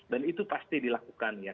dan itu pasti dilakukan ya